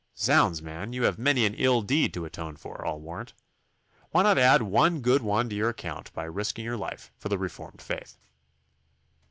Zounds, man! you have many an ill deed to atone for, I'll warrant. Why not add one good one to your account, by risking your life for the reformed faith?